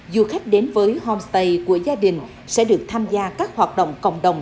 du khách đến với homestay của gia đình sẽ được tham gia các hoạt động cộng đồng